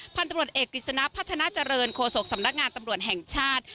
พันธุรกิจสนาพัฒนาเจริญโครโศกสำนักงานตำรวจแห่งชาติ